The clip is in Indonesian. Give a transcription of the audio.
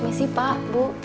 misi pak bu